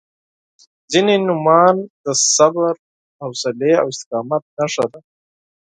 • ځینې نومونه د صبر، حوصلې او استقامت نښه ده.